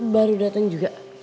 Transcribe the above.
baru datang juga